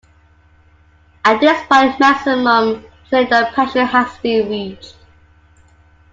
At this point maximum cylinder pressure has been reached.